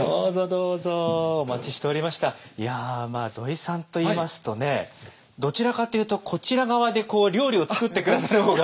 いや土井さんといいますとねどちらかというとこちら側で料理を作って下さる方が。